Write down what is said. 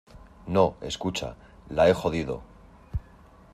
no, escucha. la he jodido .